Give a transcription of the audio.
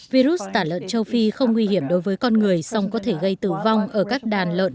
virus tả lợn châu phi không nguy hiểm đối với con người song có thể gây tử vong ở các đàn lợn